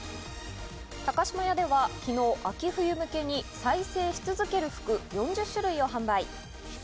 高島屋では昨日、秋冬向けに再生し続ける服、４０種類を発売。